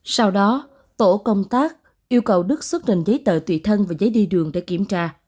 sau đó tổ công tác yêu cầu đức xuất trình giấy tờ tùy thân và giấy đi đường để kiểm tra